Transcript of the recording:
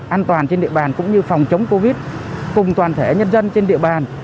an toàn trên địa bàn cũng như phòng chống covid cùng toàn thể nhân dân trên địa bàn